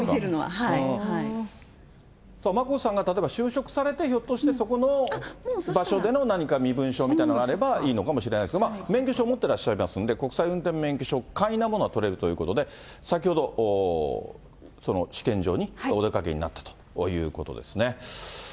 さあ、眞子さんが例えば就職されて、ひょっとしてそこの場所の何か身分証みたいのがあればいいのかもしれませんが、免許証持ってらっしゃいますので、国際免許証、簡易なものは取れるということで、先ほど、試験場にお出かけになったということですね。